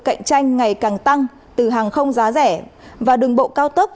cạnh tranh ngày càng tăng từ hàng không giá rẻ và đường bộ cao tốc